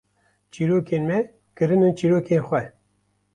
çîrokên me kirinin çîrokên xwe